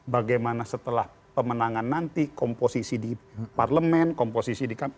bagaimana setelah pemenangan nanti komposisi di parlemen komposisi di